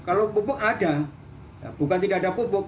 kalau pupuk ada bukan tidak ada pupuk